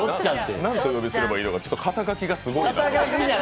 なんとお呼びすればいいのか、肩書きがすごいな。